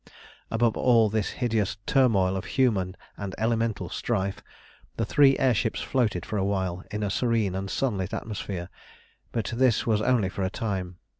Above all this hideous turmoil of human and elemental strife, the three air ships floated for awhile in a serene and sunlit atmosphere. But this was only for a time.